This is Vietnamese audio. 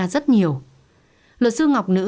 rất nhiều luật sư ngọc nữ